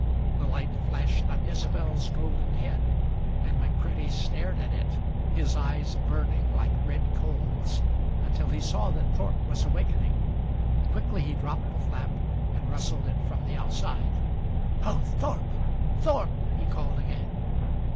The light flashed on Isobel's golden head, and McCready stared at it, his eyes burning like red coals, until he saw that Thorpe was awakening. Quickly he dropped the flap and rustled it from the outside. "Ho, Thorpe! Thorpe!" he called again.